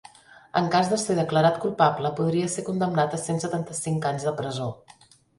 En cas de ser declarat culpable, podria ser condemnat a cent setanta-cinc anys de presó.